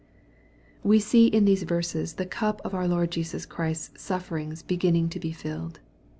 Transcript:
We see in these verses the cup of our Lord Jesus Christ's sufferings beginning to be filled.